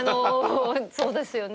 そうですよね